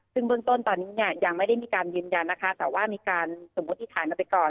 ซึ่งเบื้องต้นตอนนี้เนี่ยยังไม่ได้มีการยืนยันนะคะแต่ว่ามีการสมมุติฐานกันไปก่อน